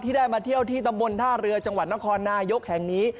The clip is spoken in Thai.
ได้มาเที่ยวที่ตำบลท่าเรือจังหวัดนครนายกแห่งนี้